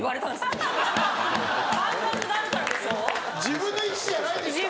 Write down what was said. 自分の意思じゃない。